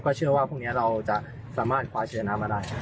เชื่อว่าพรุ่งนี้เราจะสามารถคว้าเชื้อน้ำมาได้